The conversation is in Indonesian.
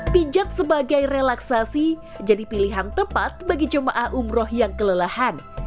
pijat sebagai relaksasi jadi pilihan tepat bagi jemaah umroh yang kelelahan